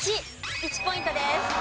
１ポイントです。